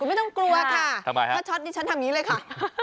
ไม่ต้องกลัวค่ะถ้าช็อตดิฉันทำอย่างนี้เลยค่ะ